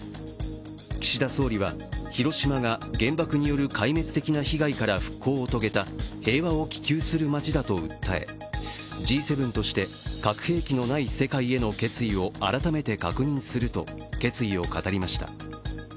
岸田総理は広島が原爆による壊滅的な被害から復興を遂げた平和を希求する街だと訴え、Ｇ７として核兵器のない世界への決意を改めて確認すると決意を語りました。